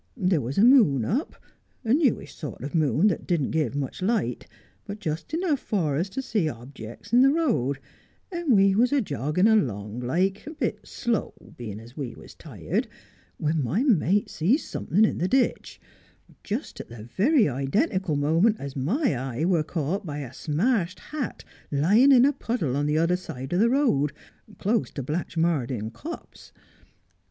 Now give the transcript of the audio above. There was a moon up, a newish sort of a moon, that didn't give much light, but just enough for us to see objicks in the road ; and we was a joggin' along like, a bit slow, bein' as we was tired, when my mate sees somethin' in the ditch — just at the very identical moment as my eye were caught by a smashed hat lying in a puddle on the other side o' the road, close to Blatchmardean Copse.